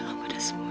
itu sama kamu